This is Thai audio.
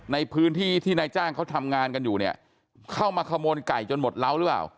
ในพื้นที่ที่นายจ้างเขาทำงานกันอยู่เนี่ยเข้ามาขโมยไก่จนหมดเล้าหรือเปล่า